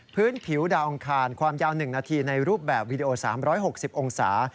พื้นผิวดาวอังคารความยาว๑นาทีในรูปแบบวีดีโอ๓๖๐องศา